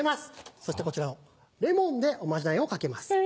そしてこちらをレモンでおまじないをかけます。え？